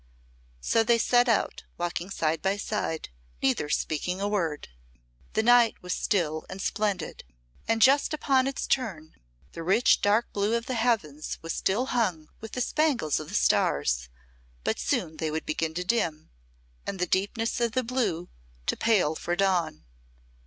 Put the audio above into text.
So they set out, walking side by side, neither speaking a word. The night was still and splendid, and just upon its turn; the rich dark blue of the Heavens was still hung with the spangles of the stars, but soon they would begin to dim, and the deepness of the blue to pale for dawn.